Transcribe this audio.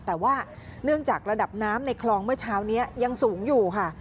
แต่ว่าเนื่องจากระดับน้ำในคลองเมื่อเช้านี้ยังสูงอยู่ค่ะ